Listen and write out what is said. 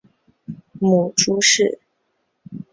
母朱氏。